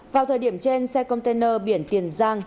vào thời điểm trên xe container biển tiền giang